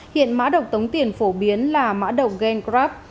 hiện mã độc tống tiền phổ biến là mã độc gaincraft